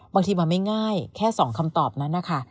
บางทีมันไม่ง่ายแค่๒คำตอบนั้นนะคะ